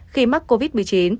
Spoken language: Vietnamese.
bị mắc covid một mươi chín